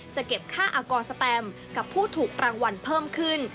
จะเก็บค่าอากรสแตมกับผู้ถูกรางวัลเพิ่มขึ้น